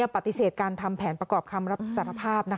ปฏิเสธการทำแผนประกอบคำรับสารภาพ